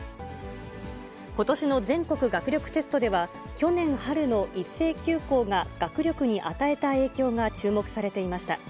ことしの全国学力テストでは、去年春の一斉休校が学力に与えた影響が注目されていました。